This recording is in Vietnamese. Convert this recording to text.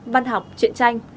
văn học chuyện tranh